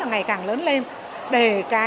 ngày càng lớn lên để